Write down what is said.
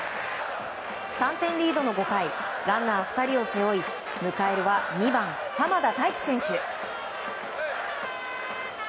３点リードの５回ランナー２人を背負い迎えるは２番、濱田太貴選手。